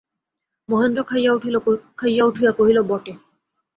মহেন্দ্র খাইয়া উঠিয়া কহিল, বটে!